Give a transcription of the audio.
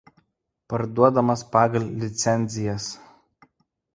Parduodamas pagal licencijas.